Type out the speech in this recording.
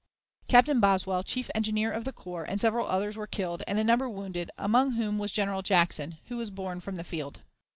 Captain Boswell, chief engineer of the corps, and several others, were killed and a number wounded, among whom was General Jackson, who was borne from the field.